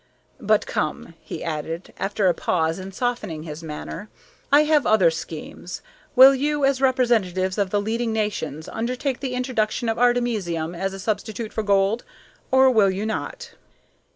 But come," he added, after a pause and softening his manner, "I have other schemes. Will you, as representatives of the leading nations, undertake the introduction of artemisium as a substitute for gold, or will you not?"